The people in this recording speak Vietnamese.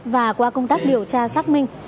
và qua công tác điều tra xác minh